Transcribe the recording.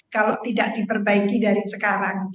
kalau tidak diperbaiki dari sekarang